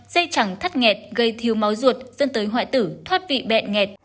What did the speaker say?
dây chẳng thắt nghẹt gây thiếu máu ruột dẫn tới hoại tử thoát vị bẹn nghẹt